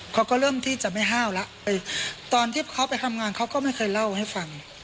เขาก็เริ่มที่จะไม่ห้าวแล้วตอนที่เขาไปทำงานเขาก็ไม่เคยเล่าให้ฟัง